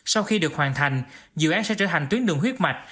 sau khi được hoàn thành dự án sẽ trở thành tuyến đường huyết mạch